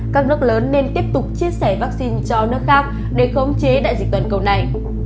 các nước lớn nên tiếp tục chia sẻ vaccine cho nước khác để khống chế đại dịch toàn cầu này